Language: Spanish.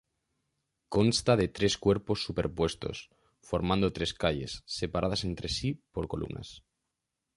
Consta de tres cuerpos superpuestos, formando tres calles, separadas entre sí por columnas.